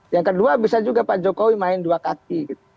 yang kedua bisa juga pak jokowi main dua kaki